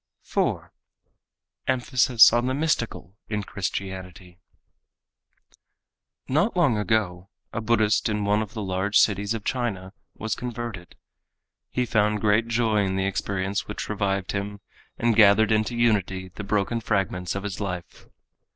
4. Emphasis on the Mystical in Christianity Not long ago a Buddhist in one of the large cities of China was converted. He found great joy in the experience which revived him and gathered into unity the broken fragments of his life.